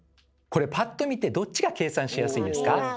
パッと見てどっちが計算しやすいですか？